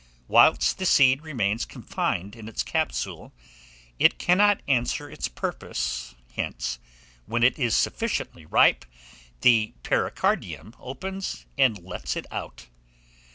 Whilst the seed remains confined in its capsule, it cannot answer its purpose; hence, when it is sufficiently ripe, the pericardium opens, and lets it out.